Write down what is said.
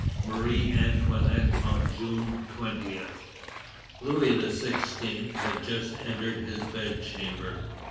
MARIE ANTOINETTE ON JUNE TWENTIETH. Louis XVI. had just entered his bedchamber.